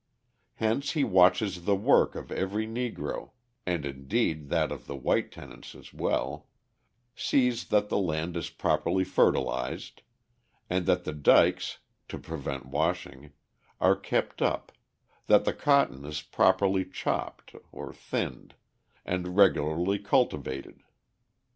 Hence he watches the work of every Negro (and indeed that of the white tenants as well) sees that the land is properly fertilised, and that the dikes (to prevent washing) are kept up, that the cotton is properly chopped (thinned) and regularly cultivated.